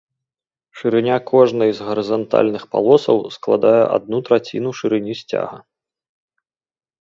Шырыня кожнай з гарызантальных палосаў складае адну траціну шырыні сцяга.